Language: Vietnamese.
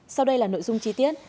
sau đây là nội dung chi tiết